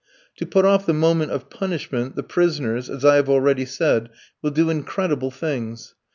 To put off the moment of punishment, the prisoners, as I have already said, will do incredible things.